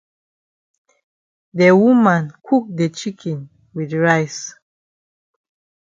De woman cook de chicken wit rice.